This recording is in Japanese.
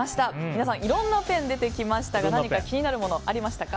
皆さん、いろいろなペンが出てきましたが何か気になるものありましたか？